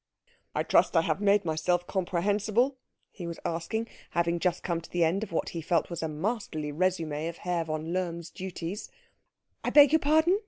"I trust I have made myself comprehensible?" he was asking, having just come to the end of what he felt was a masterly résumé of Herr von Lohm's duties. "I beg your pardon?"